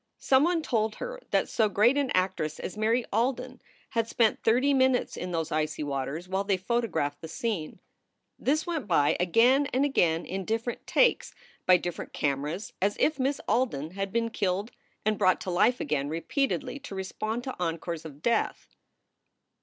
Some one told her that so great an actress as Mary Alden had spent thirty minutes in those icy waters while they photographed the scene. This went by again and again in different "takes" by different cameras, as if Miss Alden had been killed and brought to life again repeatedly to respond to encores of death.